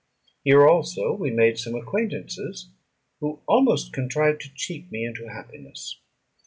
Here also we made some acquaintances, who almost contrived to cheat me into happiness.